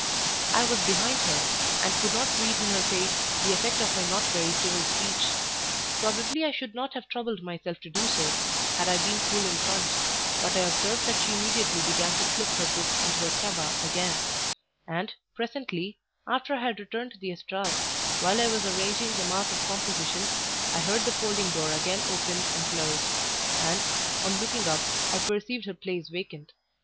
I was behind her, and could not read in her face the effect of my not very civil speech. Probably I should not have troubled myself to do so, had I been full in front; but I observed that she immediately began to slip her books into her cabas again; and, presently, after I had returned to the estrade, while I was arranging the mass of compositions, I heard the folding door again open and close; and, on looking up, I perceived her place vacant.